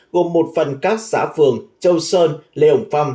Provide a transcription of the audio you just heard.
gồm một phần các xã phường châu sơn lê hồng phong